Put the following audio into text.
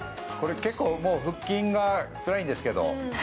結構、腹筋がつらいんですけど。